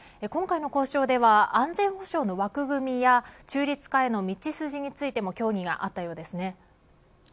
今回の交渉では安全保障の枠組みや中立化への道筋についても協議があったようですね。